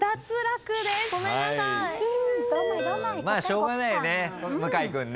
しょうがないよね向井君ね。